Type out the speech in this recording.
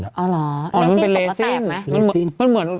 อ๋อเราต้องเป็นเรซินก็แทบมะ